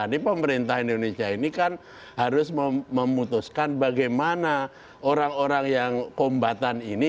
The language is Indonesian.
di pemerintah indonesia ini kan harus memutuskan bagaimana orang orang yang kombatan ini